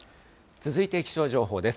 続いて気象情報です。